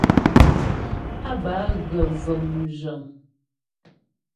Á bə á gə vəŋ mzhəŋ (wagons).